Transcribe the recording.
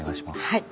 はい。